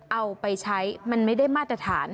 เอาไปใช้มันไม่ได้มาตรฐาน